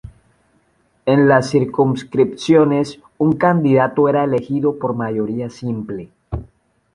En las circunscripciones, un candidato era elegido por mayoría simple.